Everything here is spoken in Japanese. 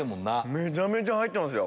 めちゃめちゃ入ってます。